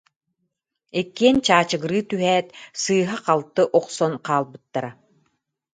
Иккиэн чаачыгырыы түһээт, сыыһа-халты охсон хаал- быттара